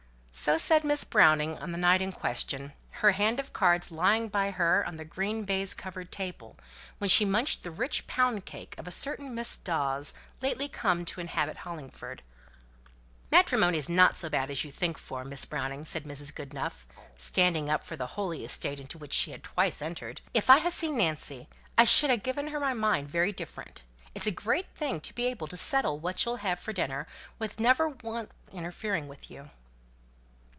So said Miss Browning on the night in question; her hand of cards lying by her on the puce baize covered table, while she munched the rich pound cake of a certain Mrs. Dawes, lately come to inhabit Hollingford. "Matrimony's not so bad as you think for, Miss Browning," said Mrs. Goodenough, standing up for the holy estate into which she had twice entered. "If I'd ha' seen Nancy, I should ha' given her my mind very different. It's a great thing to be able to settle what you'll have for dinner, without never a one interfering with you."